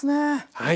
はい。